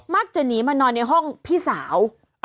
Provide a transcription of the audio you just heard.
มักจะหนีมานอนในห้องพี่สาว